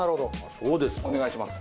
お願いします。